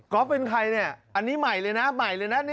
ก็อฟเป็นใครเนี่ยอันนี้ใหม่เลยนะ